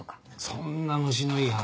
そんな虫のいい話。